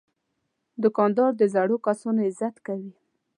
دوکاندار د زړو کسانو عزت کوي.